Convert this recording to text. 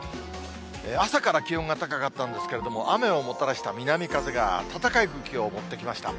朝から気温が高かったんですけれども、雨をもたらした南風が暖かい空気を持ってきました。